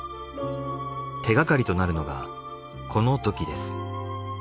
手がかりとなるのがこの土器です。